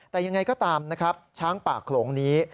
แต่ยังไงก็ตามนะครับช้างป่าโขลงนี้